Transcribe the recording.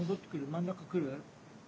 真ん中来る？